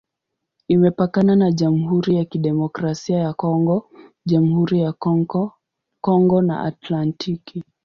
Imepakana na Jamhuri ya Kidemokrasia ya Kongo, Jamhuri ya Kongo na Atlantiki.